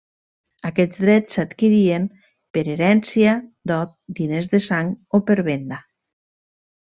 Aquests drets s'adquirien per herència, dot, diners de sang o per venda.